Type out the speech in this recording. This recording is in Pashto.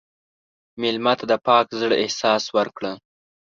مېلمه ته د پاک زړه احساس ورکړه.